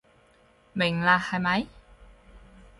明啦係咪？